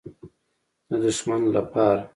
_د دښمن له پاره.